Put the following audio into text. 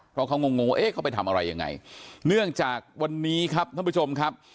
เพราะเขางงงเอ๊ะเขาไปทำอะไรยังไงเนื่องจากวันนี้ครับท่านผู้ชมครับ